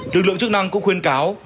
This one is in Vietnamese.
được lượng chức năng cũng khuyên cáo